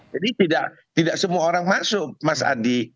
jadi tidak semua orang masuk mas adi